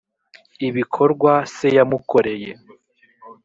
ibikorwa se yamukoreye.